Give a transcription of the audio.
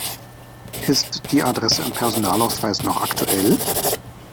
Ist die Adresse im Personalausweis noch aktuell?